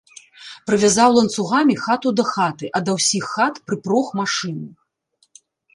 Прывязаў ланцугамі хату да хаты, а да ўсіх хат прыпрог машыну.